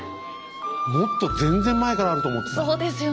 もっと全然前からあると思ってた。